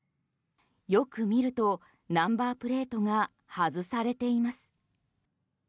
よく見るとナンバープレートが外されています。